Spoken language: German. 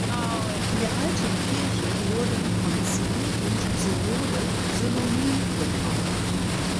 In der alten Kirche wurden Konzil und Synode synonym gebraucht.